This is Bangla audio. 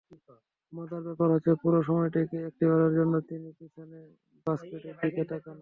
মজার ব্যাপার হচ্ছে পুরো সময়টিতে একটিবারের জন্যও তিনি পেছনে বাস্কেটের দিকে তাকাননি।